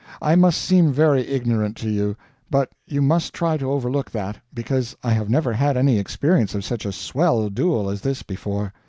I must seem very ignorant to you; but you must try to overlook that, because I have never had any experience of such a swell duel as this before.